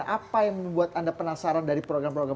apa yang membuat anda penasaran dari program program